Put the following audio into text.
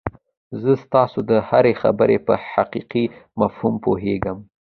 زه ستاسو د هرې خبرې په حقيقي مفهوم پوهېږم.